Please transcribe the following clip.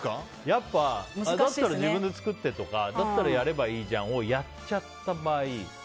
だったら自分で作ってとかだったらやればいいじゃんをやっちゃった場合